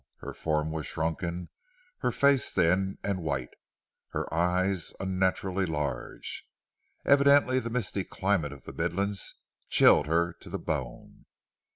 Her form was shrunken, her face thin and white, her eyes unnaturally large. Evidently the misty climate of the midlands chilled her to the bone.